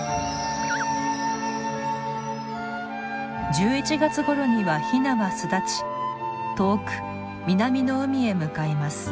１１月ごろにはヒナは巣立ち遠く南の海へ向かいます。